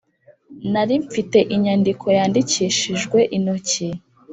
nari mfite inyandiko yandikishijwe intoki